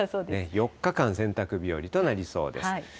４日間、洗濯日和となりそうです。